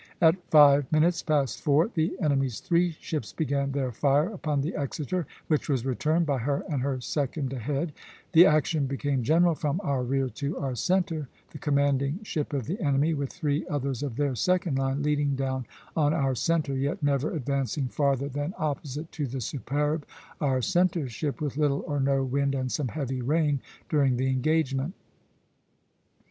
At five minutes past four the enemy's three ships began their fire upon the 'Exeter,' which was returned by her and her second ahead; the action became general from our rear to our centre, the commanding ship of the enemy, with three others of their second line, leading down on our centre, yet never advancing farther than opposite to the 'Superbe,' our centre ship, with little or no wind and some heavy rain during the engagement.